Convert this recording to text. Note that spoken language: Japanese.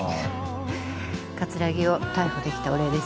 葛城を逮捕できたお礼です。